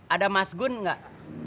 ada mas gun gak